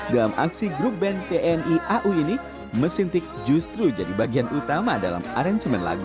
dalam aksi grup band tni au ini mesin tik justru jadi bagian utama dalam aransemen lagu